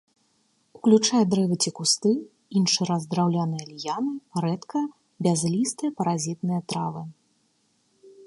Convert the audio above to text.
Уключае дрэвы ці кусты, іншы раз драўняныя ліяны, рэдка бязлістыя паразітныя травы.